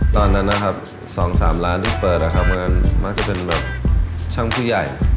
ตอนนั้นนะครับ๒๓ล้านที่เปิดนะครับมันมักจะเป็นแบบช่างผู้ใหญ่